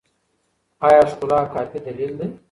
ایا ښکلا کافي دلیل دی؟